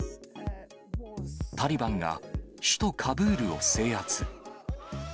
タリバンが首都カブールを制圧。